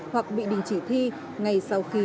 hoặc bị đình chỉ thi ngay sau khi